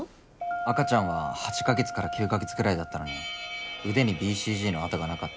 赤ちゃんは８か月から９か月くらいだったのに腕にＢＣＧの痕がなかった。